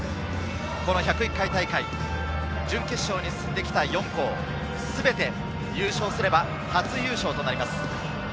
１０１回大会、準決勝に進んできた４校全て優勝すれば初優勝となります。